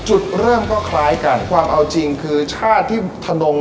จุดเริ่มก็คล้ายกันความเอาจริงคือชาติที่ทนง